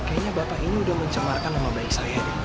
kayanya bapak ini udah mencemarkan sama bayi saya